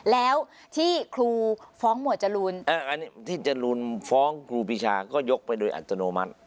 แล้วที่ครูฟ้องหมวดจรูนอันนี้ที่จรูนฟ้องครูปีชาก็ยกไปโดยอัตโนมัติ